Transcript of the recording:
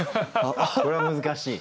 これは難しい。